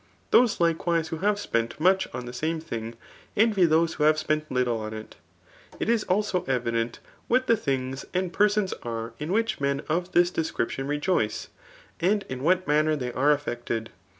Those likewise who have spent much on the same thing, envy those who have ^sp^nt little on it. It is ^ilsd evident what the things and persons are in^whicbmen of this ddsoriptipn rejoice, smd m what' manner they are slffecibed.